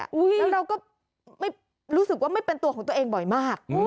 แล้วเราก็ไม่รู้สึกว่าไม่เป็นตัวของตัวเองบ่อยมาก